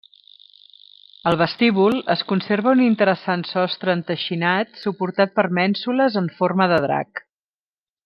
Al vestíbul es conserva un interessant sostre enteixinat suportat per mènsules en forma de drac.